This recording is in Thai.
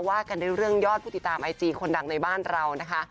ว่ากันด้วยเรื่องยอดผู้ติดตามไอจีคนดังในบ้านเรานะคะ